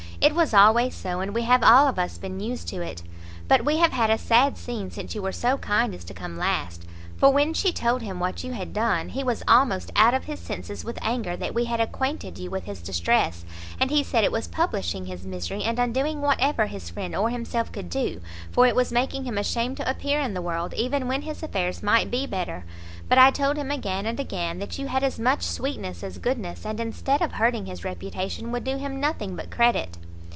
It was always so, and we have all of us been used to it. But we have had a sad scene since you were so kind as to come last; for when she told him what you had done, he was almost out of his senses with anger that we had acquainted you with his distress, and he said it was publishing his misery, and undoing whatever his friend or himself could do, for it was making him ashamed to appear in the world, even when his affairs might be better. But I told him again and again that you had as much sweetness as goodness, and instead of hurting his reputation, would do him nothing but credit."